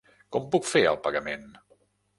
Com puc fer el pagament?